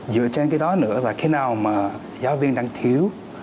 dựa trên cái đó nữa là cái nào mà giáo viên đang thiếu